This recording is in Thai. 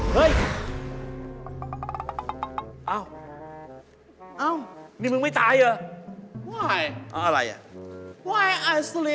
โปรดติดตามตอนต่อไป